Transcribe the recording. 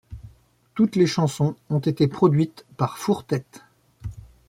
Toutes les chansons ont été produites par Four Tet.